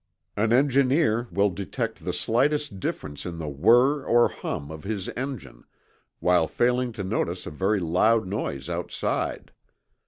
An engineer will detect the slightest difference in the whir or hum of his engine, while failing to notice a very loud noise outside.